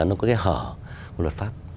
nó có cái hở luật pháp